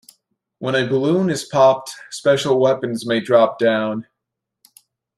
When a balloon is popped, special weapons may drop down.